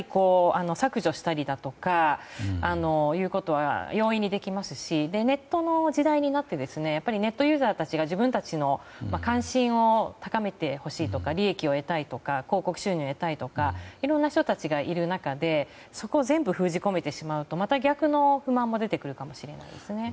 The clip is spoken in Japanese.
削除したりだとかは容易にできますしネットの時代になってネットユーザーたちが自分たちの関心を高めてほしいとか利益を得たいとか広告収入を得たいとかいろんな人たちがいる中でそこを全部封じ込めてしまうとまた逆の不満も出てくるかもしれないですね。